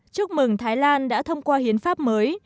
chúc mừng thái lan đã thông qua hiến pháp mới